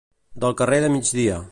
Del carrer de migdia.